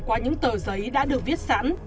qua những tờ giấy đã được viết sẵn